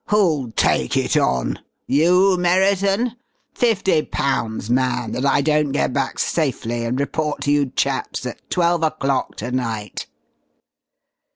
"Who'll take it on? You Merriton? Fifty pounds, man, that I don't get back safely and report to you chaps at twelve o'clock to night."